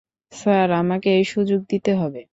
Sir, আমাকে এই সুযোগ দিতে হবে।